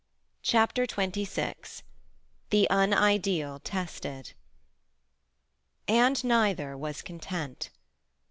CHAPTER XXVI THE UNIDEAL TESTED And neither was content.